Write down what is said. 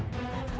ibu bangun ibu